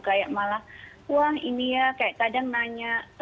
kayak malah wah ini ya kayak kadang nanya